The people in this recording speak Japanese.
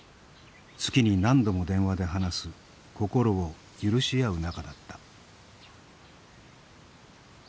月に何度も電話で話す心を許し合う仲だった。